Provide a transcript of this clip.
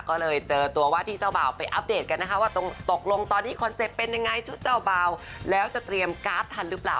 ก็จะเตรียมกราฟทันหรือเปล่า